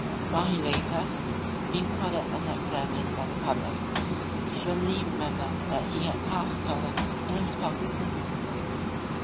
While he lay thus, being prodded and examined by the public, he suddenly remembered that he had half a dollar in his pocket.